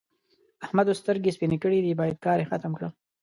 احمد اوس سترګې سپينې کړې دي؛ بايد کار يې ختم کړم.